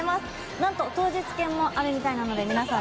何と当日券もあるみたいなので皆さん